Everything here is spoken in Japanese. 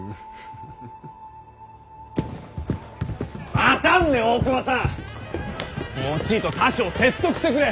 待たんね大隈さん！もちいと他省を説得してくれ。